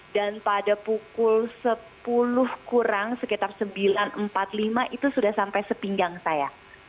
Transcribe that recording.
dan pada pukul sepuluh kurang sekitar sembilan empat puluh lima itu sudah sampai sepinggang saya